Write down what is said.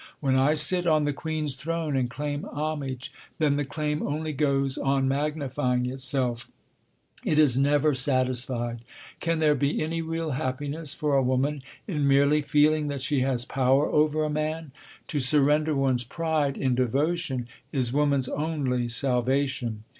When I sit on the queen's throne and claim homage, then the claim only goes on magnifying itself; it is never satisfied. Can there be any real happiness for a woman in merely feeling that she has power over a man? To surrender one's pride in devotion is woman's only salvation.